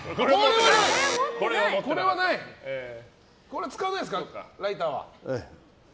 これは使わないですかライターは。